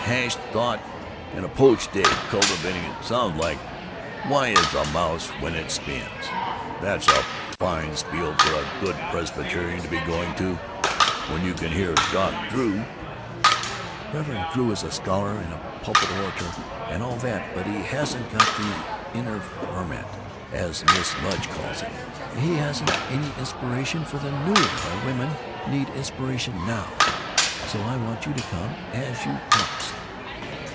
Hashed thought with a poached egg! 'Cultivating the ' It sounds like 'Why is a mouse when it spins?' That's a fine spiel for a good Presbyterian to be going to, when you can hear Doc Drew!" "Reverend Drew is a scholar and a pulpit orator and all that, but he hasn't got the Inner Ferment, as Mrs. Mudge calls it; he hasn't any inspiration for the New Era. Women need inspiration now. So I want you to come, as you promised."